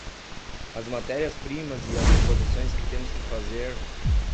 as matérias-primas e as reposições que temos que fazer